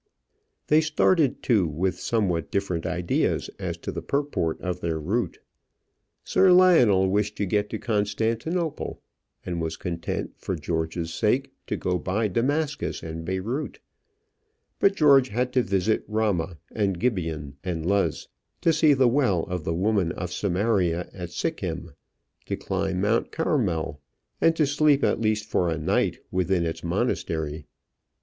They started, too, with somewhat different ideas as to the purport of their route. Sir Lionel wished to get to Constantinople, and was content, for George's sake, to go by Damascus and Beyrout; but George had to visit Ramah, and Gibeon, and Luz; to see the well of the woman of Samaria at Sichem; to climb Mount Carmel, and to sleep at least for a night within its monastery.